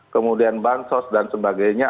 kemudian bansos dan sebagainya